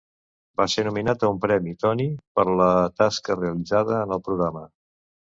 Va ser nominat a un premi Tony per la tasca realitzada en el programa.